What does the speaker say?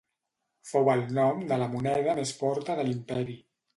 Fou el nom de la moneda més forta de l'imperi.